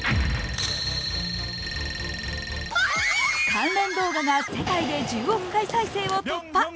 関連動画が世界で１０億回再生を突破。